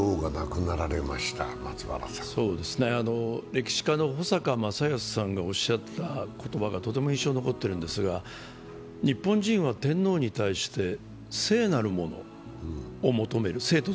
歴史家の保坂さんがおっしゃった言葉がとても印象に残っているんですが、日本人は天皇に対して、聖なるものを求めるんだと。